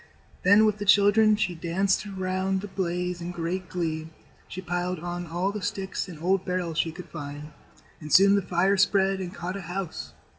Then, with the children, she danced round the blaze in great glee. She piled on all the sticks and old barrels she could find, and soon the fire spread and caught a house.